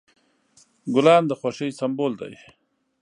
ګلان د خوښۍ سمبول دي.